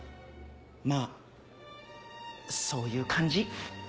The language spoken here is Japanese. まぁそういう感じ。